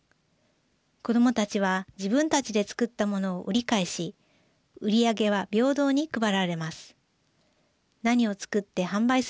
子どもたちは自分たちで作ったものを売り買いし売り上げは平等に配られます。